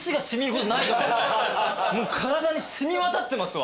もう体に染み渡ってますわ。